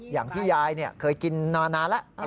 อย่างที่ยายเคยกินนานแล้ว